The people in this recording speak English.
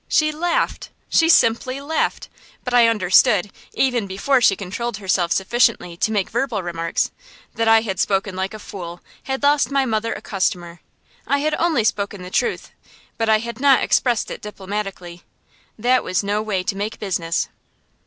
She laughed she simply laughed. But I understood, even before she controlled herself sufficiently to make verbal remarks, that I had spoken like a fool, had lost my mother a customer. I had only spoken the truth, but I had not expressed it diplomatically. That was no way to make business.